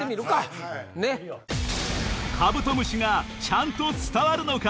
カブトムシがちゃんと伝わるのか？